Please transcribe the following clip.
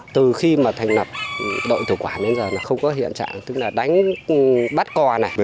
từ khi thành lập đội thư quản đến giờ không có hiện trạng đánh bắt cò này